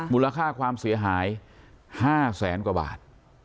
มูลค่าความเสียหาย๕แสนกว่าบาท